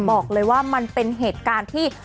บอกเลยว่ามันเป็นเหตุการณ์ที่